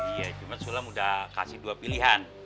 iya cuma sulam udah kasih dua pilihan